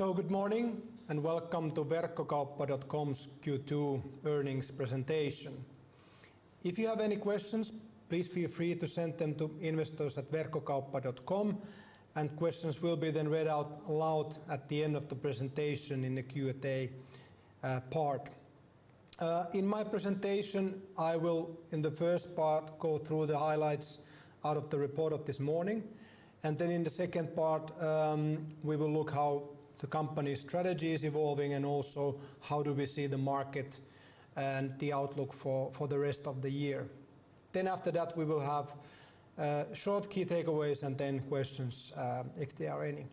Good morning, and welcome to Verkkokauppa.com's Q2 earnings presentation. If you have any questions, please feel free to send them to investors@Verkkokauppa.com and questions will be then read out loud at the end of the presentation in the Q&A part. In my presentation, I will, in the first part, go through the highlights out of the report of this morning. In the second part, we will look how the company's strategy is evolving and also how do we see the market and the outlook for the rest of the year. After that, we will have short key takeaways and then questions, if there are any.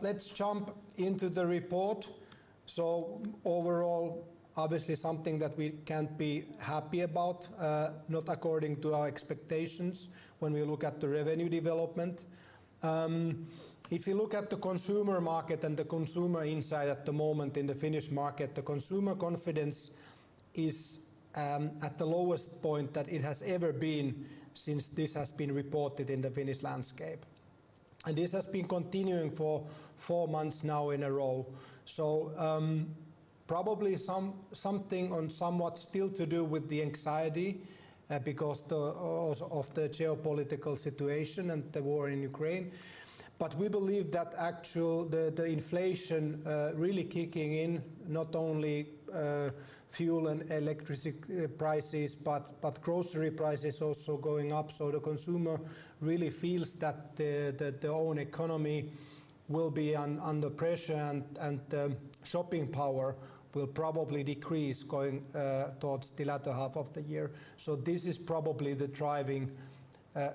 Let's jump into the report. Overall, obviously something that we can't be happy about, not according to our expectations when we look at the revenue development. If you look at the consumer market and the consumer insight at the moment in the Finnish market, the consumer confidence is at the lowest point that it has ever been since this has been reported in the Finnish landscape. This has been continuing for four months now in a row. Probably something or somewhat still to do with the anxiety because of the geopolitical situation and the war in Ukraine. We believe that actually the inflation really kicking in not only fuel and electricity prices but grocery prices also going up. The consumer really feels that their own economy will be under pressure and shopping power will probably decrease going towards the latter half of the year. This is probably the driving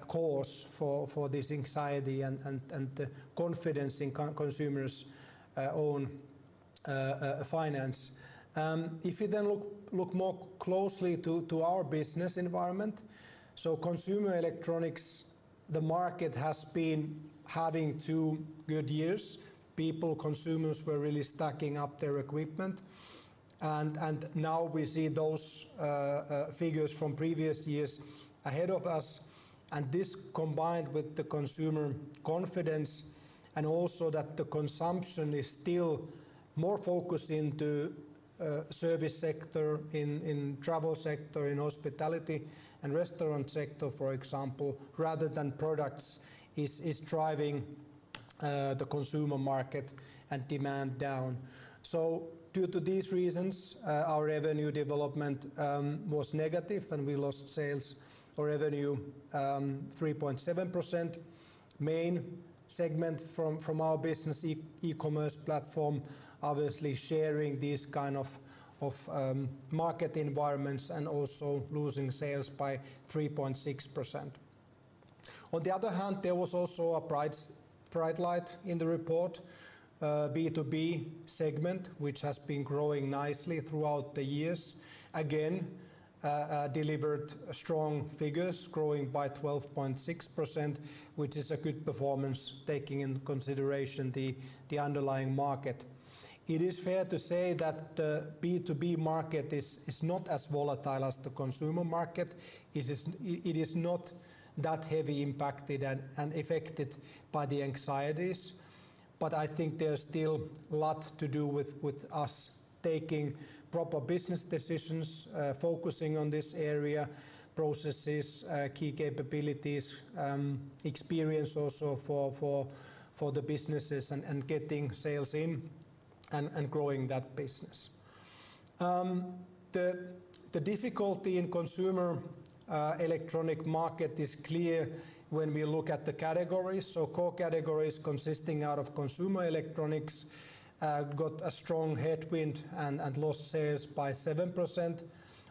cause for this anxiety and confidence in consumers' own finance. If you then look more closely to our business environment, consumer electronics, the market has been having two good years. People, consumers were really stacking up their equipment and now we see those figures from previous years ahead of us, and this combined with the consumer confidence and also that the consumption is still more focused into service sector, in travel sector, in hospitality and restaurant sector, for example, rather than products, is driving the consumer market and demand down. Due to these reasons, our revenue development was negative, and we lost sales or revenue 3.7%. Main segment from our business e-commerce platform obviously sharing these kind of market environments and also losing sales by 3.6%. On the other hand, there was also a bright light in the report, B2B segment, which has been growing nicely throughout the years. Again, delivered strong figures growing by 12.6%, which is a good performance taking into consideration the underlying market. It is fair to say that the B2B market is not as volatile as the consumer market. It is not that heavy impacted and affected by the anxieties. I think there's still a lot to do with us taking proper business decisions, focusing on this area, processes, key capabilities, experience also for the businesses and getting sales in and growing that business. The difficulty in consumer electronics market is clear when we look at the categories. Core categories consisting of consumer electronics got a strong headwind and lost sales by 7%,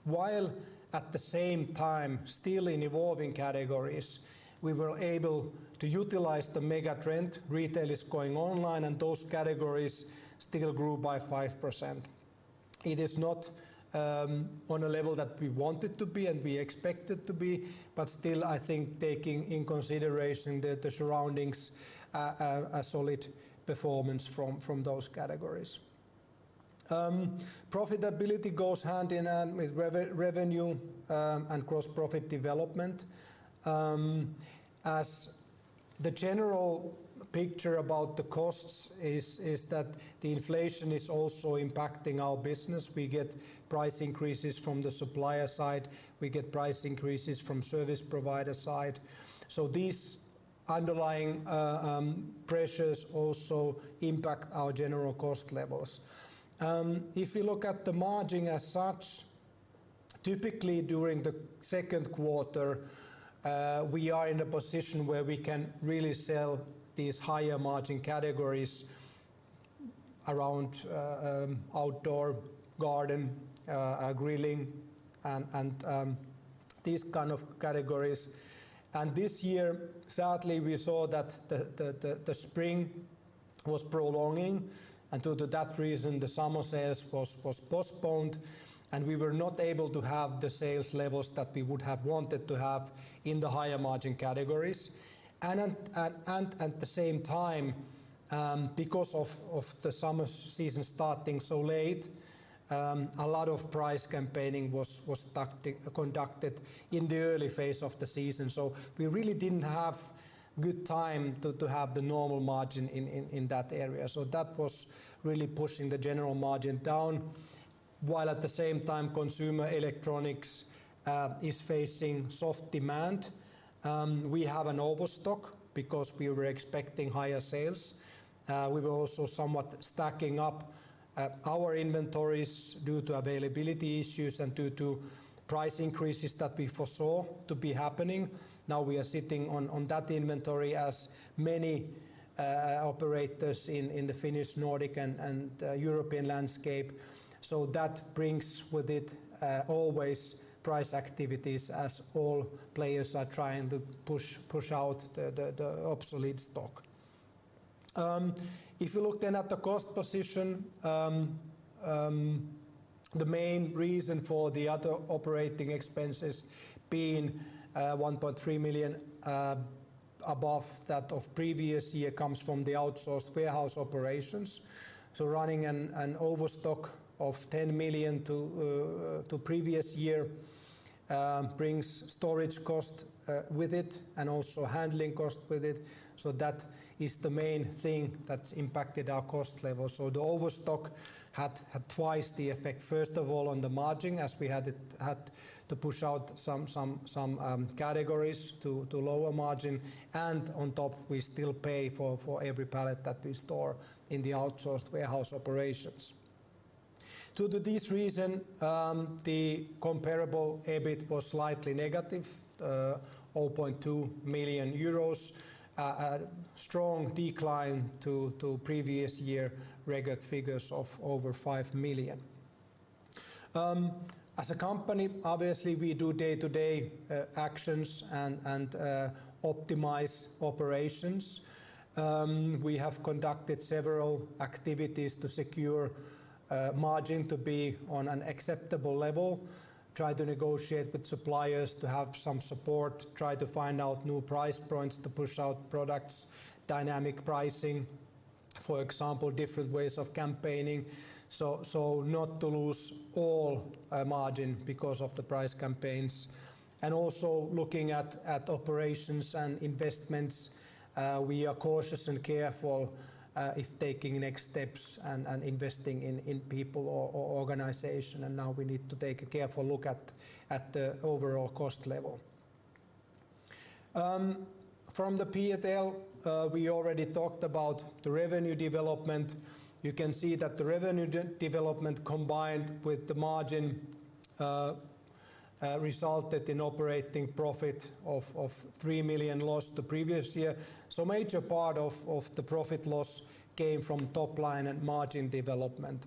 while at the same time still in evolving categories, we were able to utilize the mega trend. Retail is going online and those categories still grew by 5%. It is not on a level that we want it to be and we expect it to be, but still, I think taking into consideration the surroundings, a solid performance from those categories. Profitability goes hand in hand with revenue, and gross profit development. As the general picture about the costs is that the inflation is also impacting our business. We get price increases from the supplier side. We get price increases from service provider side. These underlying pressures also impact our general cost levels. If you look at the margin as such, typically during the second quarter, we are in a position where we can really sell these higher margin categories around outdoor garden, grilling and these kind of categories. This year, sadly, we saw that the spring was prolonging, and due to that reason, the summer sales was postponed, and we were not able to have the sales levels that we would have wanted to have in the higher margin categories. At the same time, because of the summer season starting so late, a lot of price campaigning was tactically conducted in the early phase of the season. We really didn't have enough time to have the normal margin in that area. That was really pushing the general margin down, while at the same time consumer electronics is facing soft demand. We have an overstock because we were expecting higher sales. We were also somewhat stacking up our inventories due to availability issues and due to price increases that we foresaw to be happening. Now, we are sitting on that inventory as many operators in the Finnish, Nordic and European landscape. That brings with it always price activities as all players are trying to push out the obsolete stock. If you look at the cost position, the main reason for the other operating expenses being 1.3 million above that of previous year comes from the outsourced warehouse operations. Running an overstock of 10 million than previous year brings storage cost with it and also handling cost with it. That is the main thing that's impacted our cost level. The overstock had twice the effect, first of all, on the margin as we had to push out some categories to lower margin. On top, we still pay for every pallet that we store in the outsourced warehouse operations. Due to this reason, the comparable EBIT was slightly negative, 0.2 million euros, a strong decline to previous year record figures of over 5 million. As a company, obviously, we do day-to-day actions and optimize operations. We have conducted several activities to secure margin to be on an acceptable level, try to negotiate with suppliers to have some support, try to find out new price points to push out products, dynamic pricing, for example, different ways of campaigning, so not to lose all margin because of the price campaigns. Also looking at operations and investments, we are cautious and careful if taking next steps and investing in people or organization. Now we need to take a careful look at the overall cost level. From the P&L, we already talked about the revenue development. You can see that the revenue development combined with the margin resulted in operating profit of 3 million loss to previous year. Major part of the profit loss came from top line and margin development.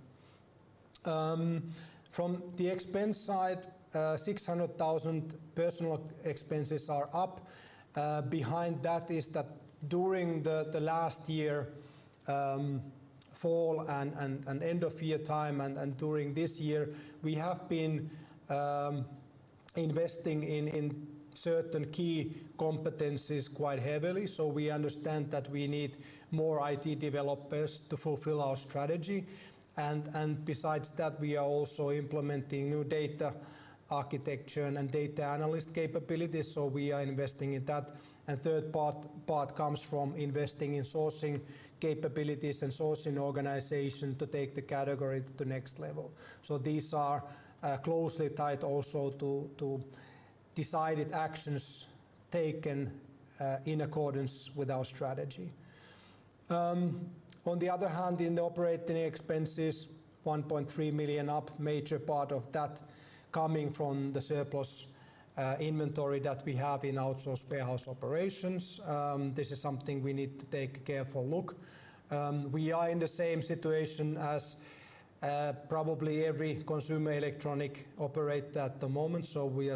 From the expense side, 600,000 personnel expenses are up. Behind that is that during the last year, fall and end of year time and during this year, we have been investing in certain key competencies quite heavily. We understand that we need more IT developers to fulfill our strategy. Besides that, we are also implementing new data architecture and data analyst capabilities, we are investing in that. Third part comes from investing in sourcing capabilities and sourcing organization to take the category to next level. These are closely tied also to decided actions taken in accordance with our strategy. On the other hand, in the operating expenses, 1.3 million up, major part of that coming from the surplus inventory that we have in outsourced warehouse operations. This is something we need to take a careful look. We are in the same situation as probably every consumer electronics operator at the moment, so we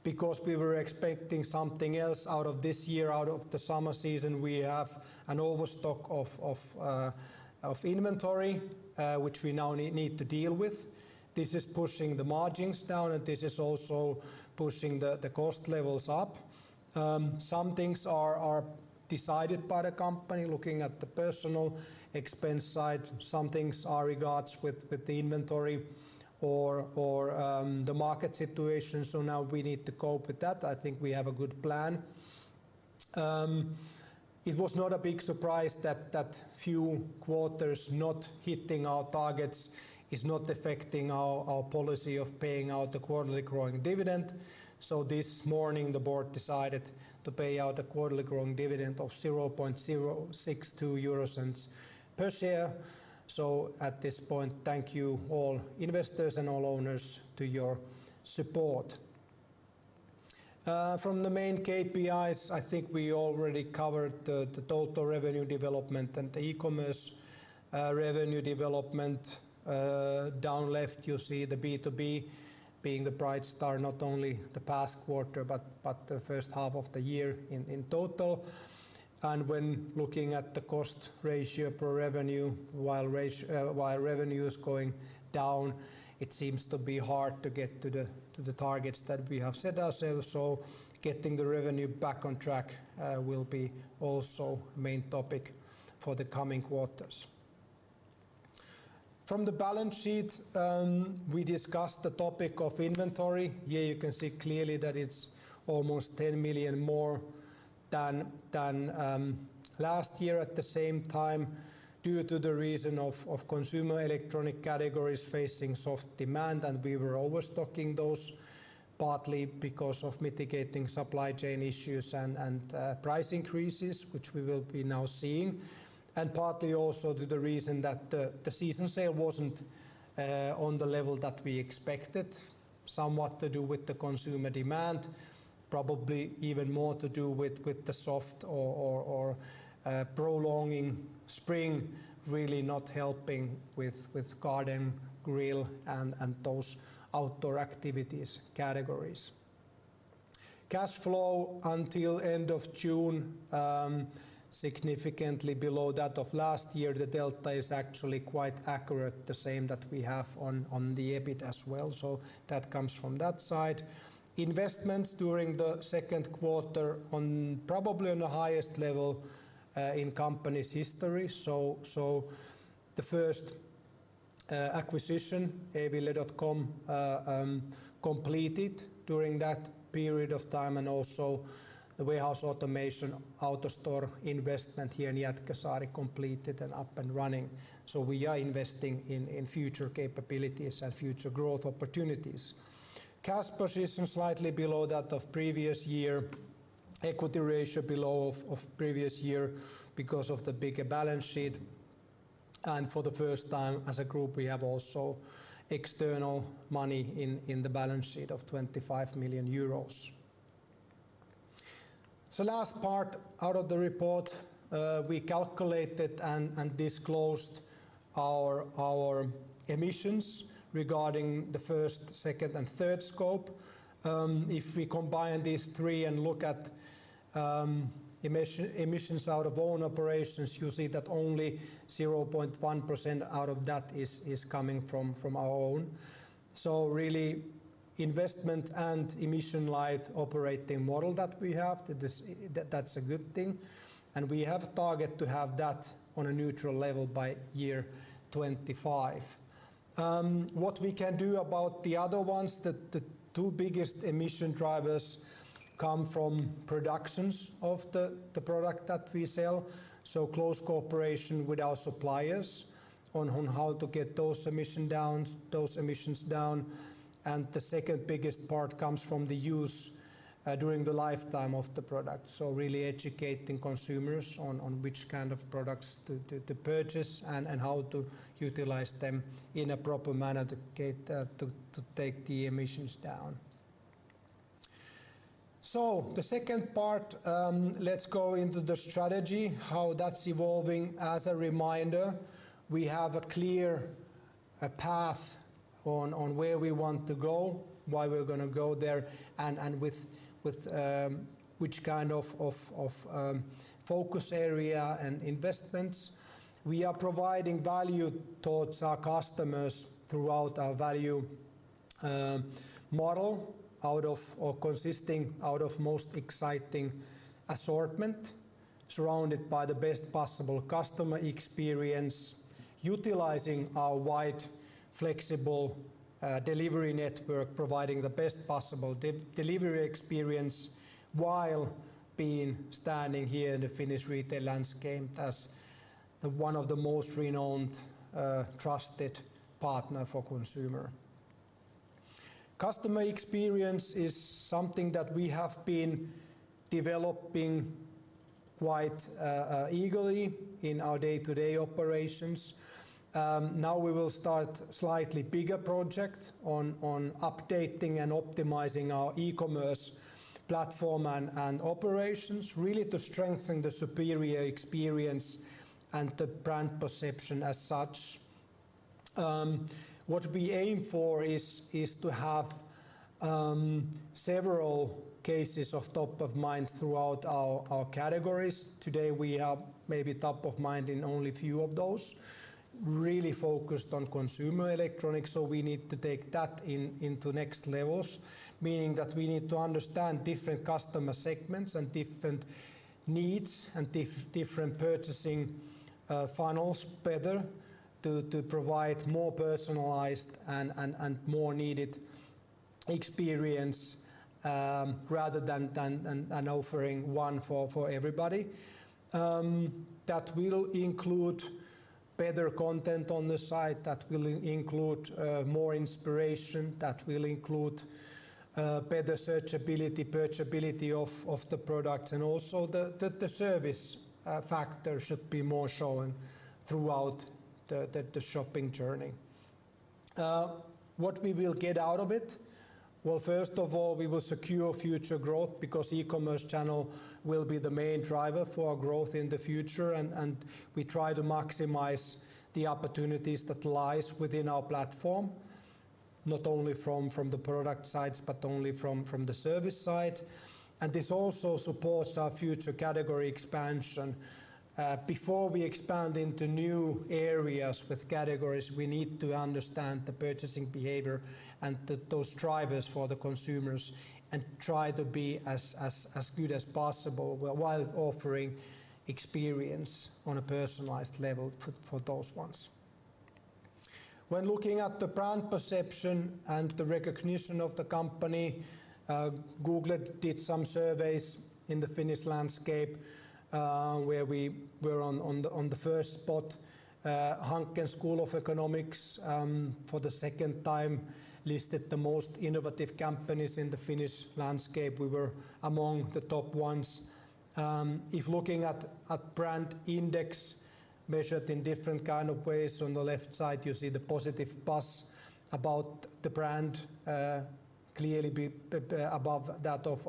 are sitting on products and categories where there's no demand. Probably the upcoming back to school, back to business season will be quite price fight heavy. Let's see how the last quarter then evolves on that topic. All in all, getting a hit from the market on the top line because we were expecting something else out of this year, out of the summer season. We have an overstock of inventory, which we now need to deal with. This is pushing the margins down, and this is also pushing the cost levels up. Some things are decided by the company looking at the personnel expense side. Some things are regardless of the inventory or the market situation. Now we need to cope with that. I think we have a good plan. It was not a big surprise that few quarters not hitting our targets is not affecting our policy of paying out the quarterly growing dividend. This morning, the board decided to pay out a quarterly growing dividend of 0.062 per share. At this point, thank you all investors and all owners for your support. From the main KPIs, I think we already covered the total revenue development and the e-commerce revenue development. Down left, you see the B2B being the bright star, not only the past quarter, but the first half of the year in total. When looking at the cost ratio per revenue, while revenue is going down, it seems to be hard to get to the targets that we have set ourselves. Getting the revenue back on track will be also main topic for the coming quarters. From the balance sheet, we discussed the topic of inventory. Here you can see clearly that it's almost 10 million more than last year at the same time due to the reason of consumer electronics categories facing soft demand, and we were overstocking those partly because of mitigating supply chain issues and price increases, which we will be now seeing, and partly also to the reason that the seasonal sale wasn't on the level that we expected, somewhat to do with the consumer demand, probably even more to do with the soft or prolonged spring really not helping with garden, grill, and those outdoor activities categories. Cash flow until end of June significantly below that of last year. The delta is actually quite accurate, the same that we have on the EBIT as well, so that comes from that side. Investments during the second quarter at probably the highest level in the company's history. The first acquisition, e-ville.com, completed during that period of time and also the warehouse automation AutoStore investment here in Jätkäsaari completed and up and running. We are investing in future capabilities and future growth opportunities. Cash position slightly below that of previous year. Equity ratio below that of previous year because of the bigger balance sheet. For the first time as a group, we have also external money in the balance sheet of 25 million euros. Last part of the report, we calculated and disclosed our emissions regarding the first, second, and third scope. If we combine these three and look at emissions out of own operations, you see that only 0.1% out of that is coming from our own. Really investment and emission-light operating model that we have, that's a good thing. We have target to have that on a neutral level by 2025. What we can do about the other ones, the two biggest emission drivers come from production of the product that we sell, so close cooperation with our suppliers on how to get those emissions down. The second biggest part comes from the use during the lifetime of the product. Really educating consumers on which kind of products to purchase and how to utilize them in a proper manner to take the emissions down. The second part, let's go into the strategy, how that's evolving. As a reminder, we have a clear path on where we want to go, why we're gonna go there and with which kind of focus area and investments. We are providing value towards our customers throughout our value model out of or consisting out of most exciting assortment surrounded by the best possible customer experience, utilizing our wide flexible delivery network, providing the best possible delivery experience while being standing here in the Finnish retail landscape as the one of the most renowned trusted partner for consumer. Customer experience is something that we have been developing quite eagerly in our day-to-day operations. Now we will start slightly bigger project on updating and optimizing our e-commerce platform and operations really to strengthen the superior experience and the brand perception as such. What we aim for is to have several cases of top of mind throughout our categories. Today, we have maybe top of mind in only a few of those, really focused on consumer electronics, so we need to take that into next levels, meaning that we need to understand different customer segments and different needs and different purchasing funnels better to provide more personalized and more needed experience, rather than offering one for everybody. That will include better content on the site, that will include more inspiration, that will include better searchability, purchasability of the products, and also the service factor should be more shown throughout the shopping journey. What we will get out of it? Well, first of all, we will secure future growth because e-commerce channel will be the main driver for our growth in the future and we try to maximize the opportunities that lies within our platform, not only from the product sides, but only from the service side. This also supports our future category expansion. Before we expand into new areas with categories, we need to understand the purchasing behavior and those drivers for the consumers and try to be as good as possible while offering experience on a personalized level for those ones. When looking at the brand perception and the recognition of the company, Google did some surveys in the Finnish landscape, where we were on the first spot. Hanken School of Economics for the second time listed the most innovative companies in the Finnish landscape. We were among the top ones. If looking at brand index measured in different kind of ways, on the left side you see the positive buzz about the brand, clearly above that of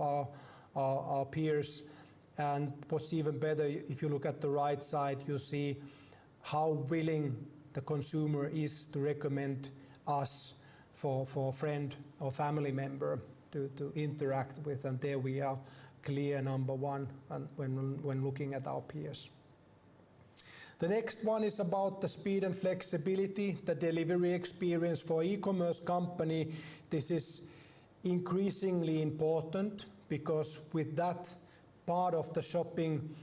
our peers. What's even better, if you look at the right side, you see how willing the consumer is to recommend us for a friend or family member to interact with, and there we are clearly number one and when looking at our peers. The next one is about the speed and flexibility, the delivery experience. For e-commerce company, this is increasingly important because with that part of the shopping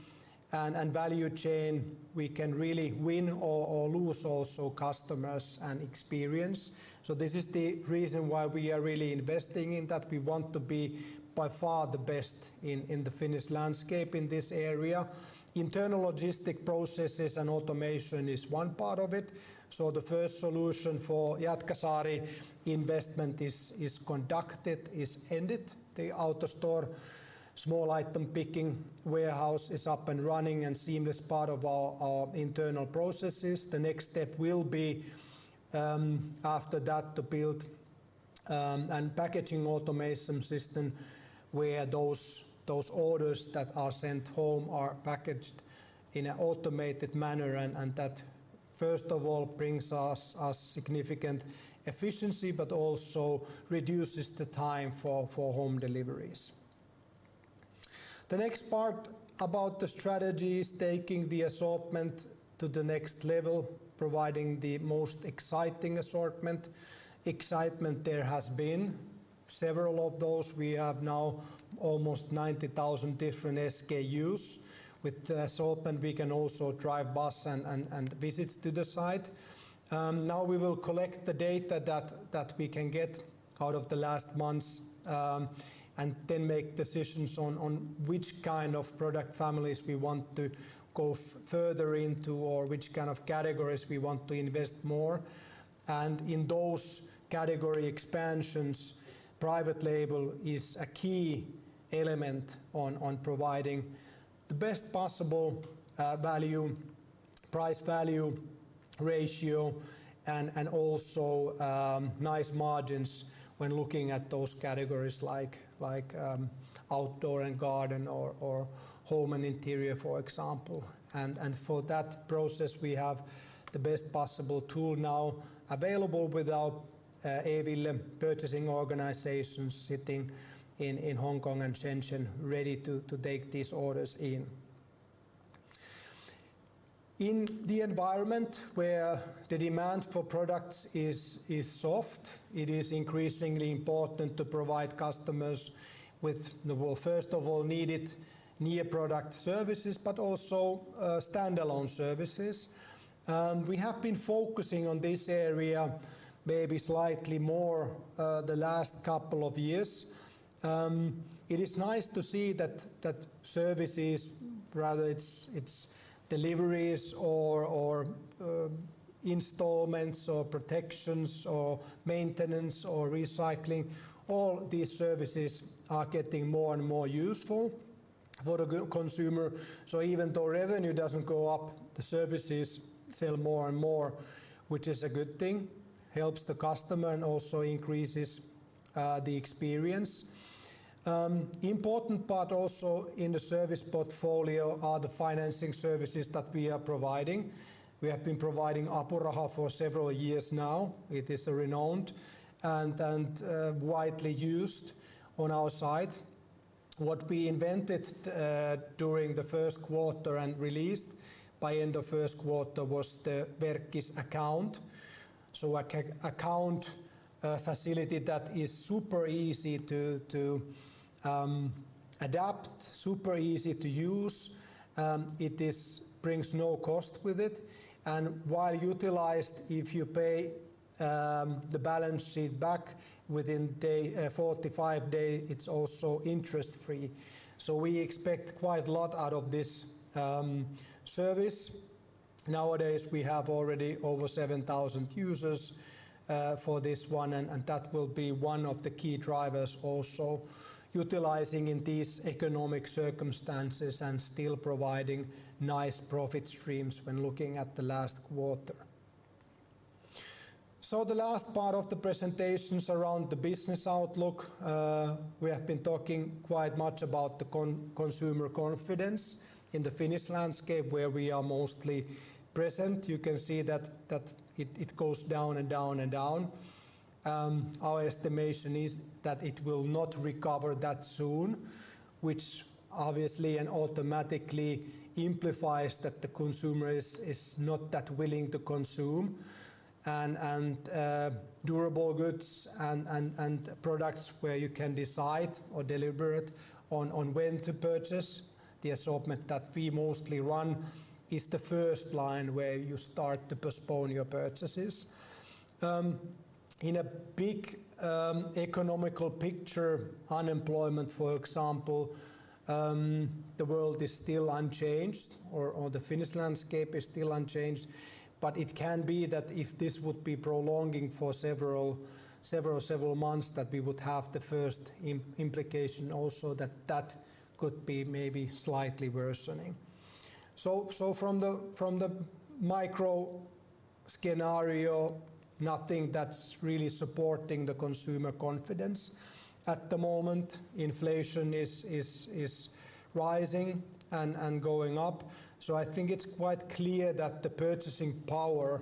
and value chain, we can really win or lose also customers and experience. This is the reason why we are really investing in that. We want to be by far the best in the Finnish landscape in this area. Internal logistic processes and automation is one part of it. The first solution for Jätkäsaari investment is ended. The AutoStore small item picking warehouse is up and running and seamless part of our internal processes. The next step will be after that to build a packaging automation system where those orders that are sent home are packaged in an automated manner and that first of all brings us significant efficiency but also reduces the time for home deliveries. The next part about the strategy is taking the assortment to the next level, providing the most exciting assortment. Excitement there has been several of those. We have now almost 90,000 different SKUs. With the assortment we can also drive business and visits to the site. Now we will collect the data that we can get out of the last months, and then make decisions on which kind of product families we want to go further into or which kind of categories we want to invest more. In those category expansions, private label is a key element on providing the best possible value, price-value ratio and also nice margins when looking at those categories like outdoor and garden or home and interior, for example. For that process we have the best possible tool now available with our e-ville purchasing organization sitting in Hong Kong and Shenzhen ready to take these orders in. In the environment where the demand for products is soft, it is increasingly important to provide customers with the, well, first of all needed near product services, but also standalone services. We have been focusing on this area maybe slightly more the last couple of years. It is nice to see that services, whether it's deliveries or installments or protections or maintenance or recycling, all these services are getting more and more useful for the consumer. Even though revenue doesn't go up, the services sell more and more, which is a good thing, helps the customer and also increases the experience. Important part also in the service portfolio are the financing services that we are providing. We have been providing Apuraha for several years now. It is renowned and widely used on our site. What we invented during the first quarter and released by end of first quarter was the Verkkis Account. Account facility that is super easy to adopt, super easy to use. It brings no cost with it and when utilized, if you pay the balance back within 45 days, it's also interest free. We expect quite a lot out of this service. Nowadays, we have already over 7,000 users for this one, and that will be one of the key drivers also utilizing in these economic circumstances and still providing nice profit streams when looking at the last quarter. The last part of the presentation is around the business outlook. We have been talking quite much about the consumer confidence in the Finnish landscape where we are mostly present. You can see that it goes down and down and down. Our estimation is that it will not recover that soon, which obviously and automatically implies that the consumer is not that willing to consume and durable goods and products where you can decide or deliberate on when to purchase. The assortment that we mostly run is the first line where you start to postpone your purchases. In a big economic picture, unemployment, for example, the workforce is still unchanged, or the Finnish landscape is still unchanged. It can be that if this would be prolonging for several months, that we would have the first implication also that could be maybe slightly worsening. From the macro scenario, nothing that's really supporting the consumer confidence at the moment. Inflation is rising and going up. I think it's quite clear that the purchasing power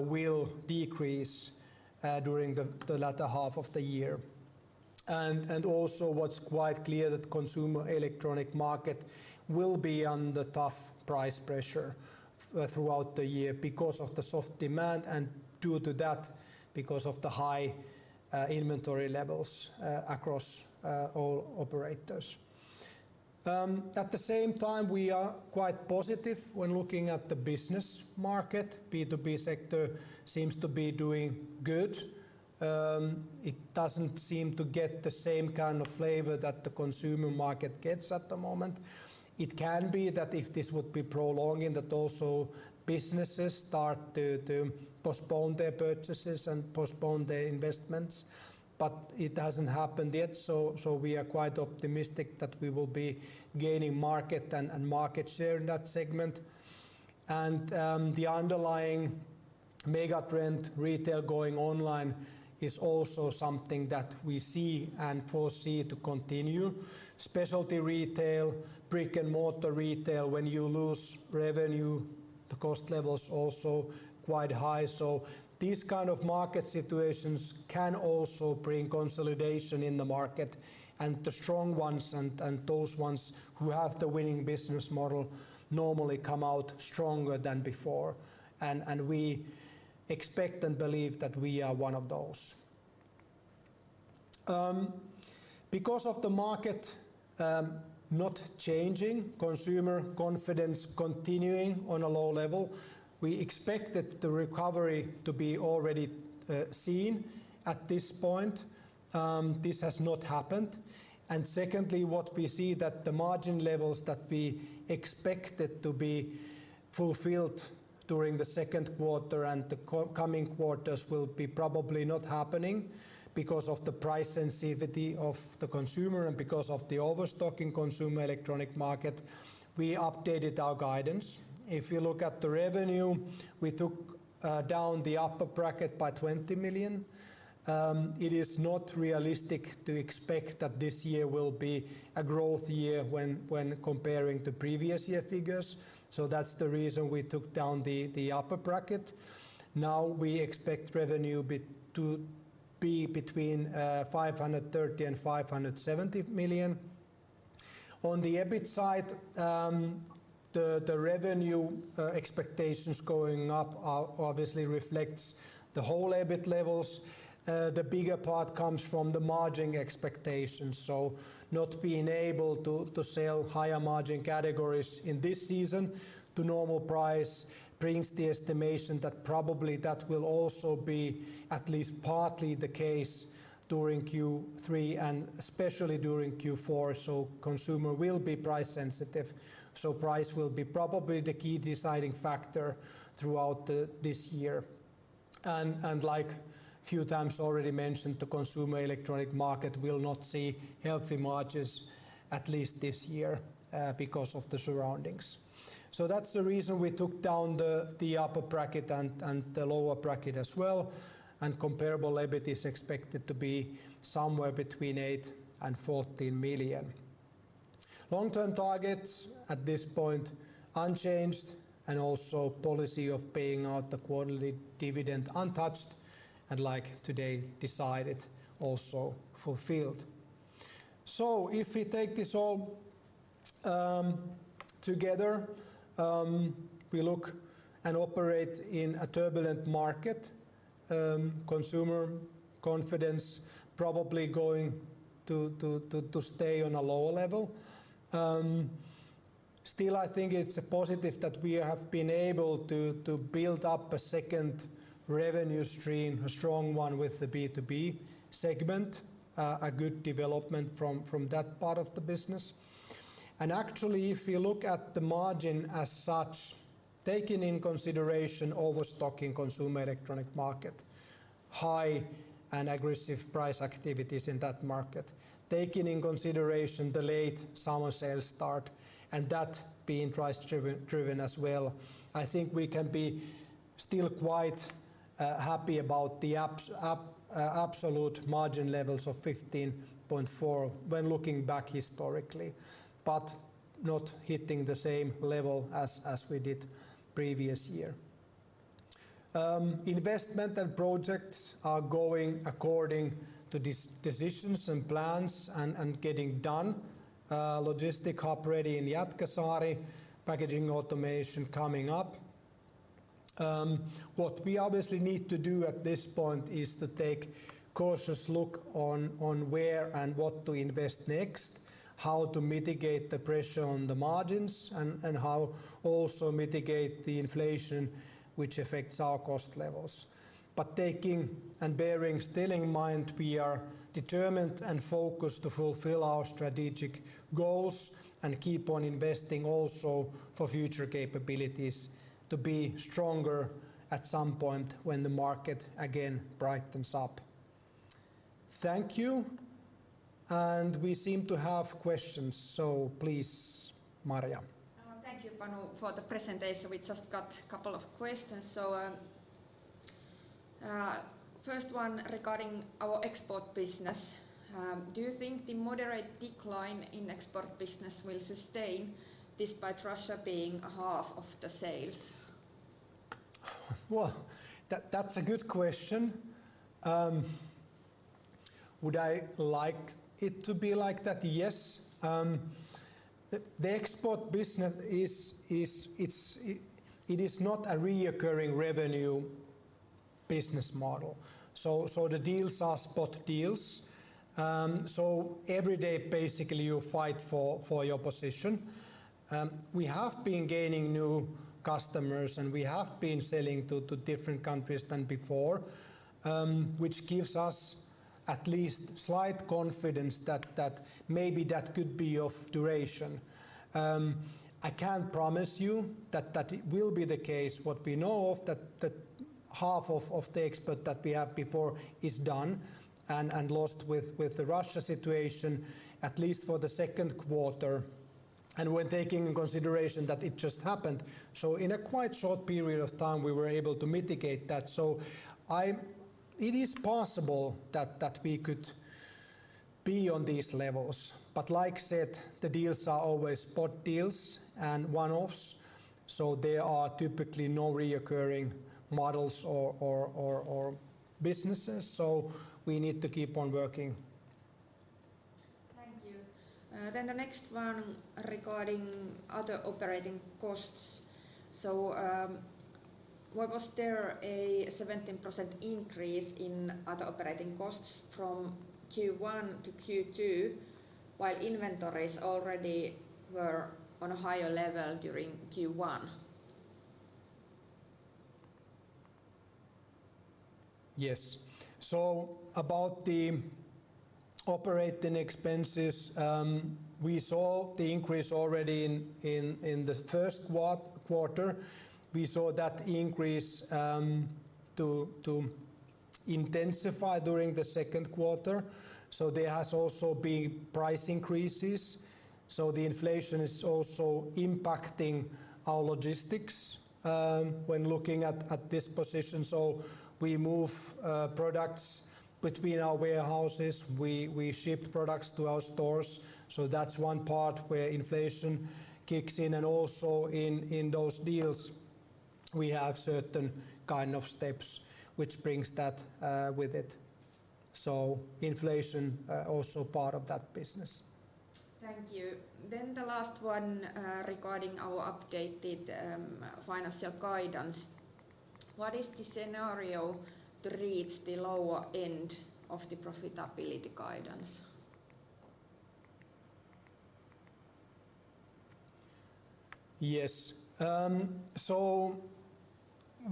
will decrease during the latter half of the year. What's quite clear is that consumer electronics market will be under tough price pressure throughout the year because of the soft demand and due to that, because of the high inventory levels across all operators. At the same time, we are quite positive when looking at the business market. B2B sector seems to be doing good. It doesn't seem to get the same kind of flavor that the consumer market gets at the moment. It can be that if this would be prolonged, that also businesses start to postpone their purchases and postpone their investments. It hasn't happened yet, so we are quite optimistic that we will be gaining market and market share in that segment. The underlying mega trend retail going online is also something that we see and foresee to continue. Specialty retail, brick-and-mortar retail, when you lose revenue, the cost level is also quite high. These kind of market situations can also bring consolidation in the market. The strong ones and those ones who have the winning business model normally come out stronger than before. We expect and believe that we are one of those. Because of the market not changing, consumer confidence continuing on a low level, we expect that the recovery to be already seen at this point, this has not happened. Secondly, what we see that the margin levels that we expected to be fulfilled during the second quarter and the coming quarters will probably not be happening because of the price sensitivity of the consumer and because of the overstock in consumer electronics market, we updated our guidance. If you look at the revenue, we took down the upper bracket by 20 million. It is not realistic to expect that this year will be a growth year when comparing the previous year figures. That's the reason we took down the upper bracket. Now we expect revenue to be between 530 million and 570 million. On the EBIT side, the revenue expectations going up obviously reflects the whole EBIT levels. The bigger part comes from the margin expectations. Not being able to sell higher margin categories in this season at normal price brings the estimation that probably that will also be at least partly the case during Q3 and especially during Q4. Consumer will be price sensitive, so price will be probably the key deciding factor throughout this year. Like a few times already mentioned, the consumer electronics market will not see healthy margins at least this year, because of the surroundings. That's the reason we took down the upper bracket and the lower bracket as well, and comparable EBIT is expected to be somewhere between 8 million and 14 million. Long-term targets at this point unchanged and also policy of paying out the quarterly dividend untouched and like today decided also fulfilled. If we take this all together, we look and operate in a turbulent market, consumer confidence probably going to stay on a lower level. Still I think it's a positive that we have been able to build up a second revenue stream, a strong one with the B2B segment, a good development from that part of the business. Actually if you look at the margin as such, taking into consideration overstock in consumer electronics market high and aggressive price activities in that market. Taking into consideration the late summer sales start and that being price-driven as well, I think we can be still quite happy about the absolute margin levels of 15.4% when looking back historically, but not hitting the same level as we did previous year. Investment and projects are going according to decisions and plans and getting done. Logistic hub ready in Jätkäsaari, packaging automation coming up. What we obviously need to do at this point is to take cautious look on where and what to invest next, how to mitigate the pressure on the margins and how also mitigate the inflation which affects our cost levels. Taking and bearing still in mind, we are determined and focused to fulfill our strategic goals and keep on investing also for future capabilities to be stronger at some point when the market again brightens up. Thank you. We seem to have questions. Please, Marja. Thank you, Panu, for the presentation. We just got a couple of questions. First one regarding our export business. Do you think the moderate decline in export business will sustain despite Russia being half of the sales? Well, that's a good question. Would I like it to be like that? Yes. The export business is, it's not a recurring revenue business model. The deals are spot deals. Every day, basically, you fight for your position. We have been gaining new customers, and we have been selling to different countries than before, which gives us at least slight confidence that maybe that could be of duration. I can't promise you that that will be the case. What we know is that half of the export that we have before is done and lost with the Russia situation, at least for the second quarter. We're taking into consideration that it just happened. In a quite short period of time, we were able to mitigate that. It is possible that we could be on these levels. Like I said, the deals are always spot deals and one-offs, so there are typically no recurring models or businesses. We need to keep on working. Thank you. The next one regarding other operating costs. Why was there a 17% increase in other operating costs from Q1 to Q2 while inventories already were on a higher level during Q1? Yes. About the operating expenses, we saw the increase already in the first quarter. We saw that increase to intensify during the second quarter. There has also been price increases. The inflation is also impacting our logistics when looking at this position. We move products between our warehouses, we ship products to our stores. That's one part where inflation kicks in, and also in those deals, we have certain kind of steps which brings that with it. Inflation also part of that business. Thank you. The last one, regarding our updated, financial guidance. What is the scenario to reach the lower end of the profitability guidance? Yes.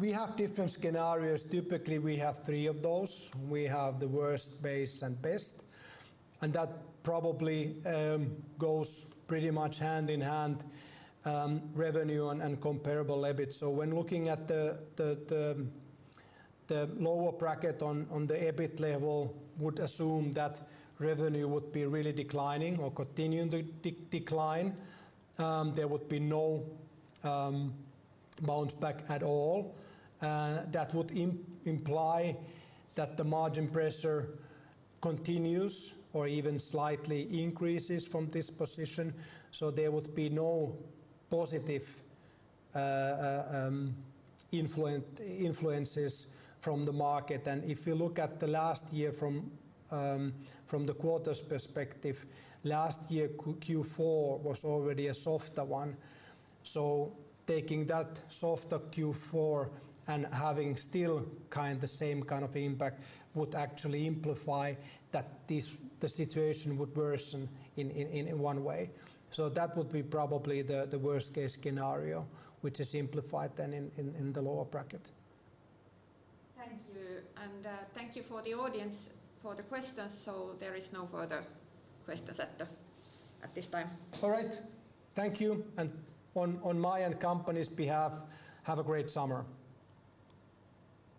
We have different scenarios. Typically, we have three of those. We have the worst, base, and best, and that probably goes pretty much hand in hand, revenue and comparable EBIT. When looking at the lower bracket on the EBIT level, would assume that revenue would be really declining or continuing to decline. There would be no bounce back at all. That would imply that the margin pressure continues or even slightly increases from this position. There would be no positive influences from the market. If you look at the last year from the quarters perspective, last year Q4 was already a softer one. Taking that softer Q4 and having still kind the same kind of impact would actually imply that the situation would worsen in one way. That would be probably the worst case scenario, which is implied then in the lower bracket. Thank you. Thank you to the audience for the questions. There are no further questions at this time. All right. Thank you. On my and company's behalf, have a great summer.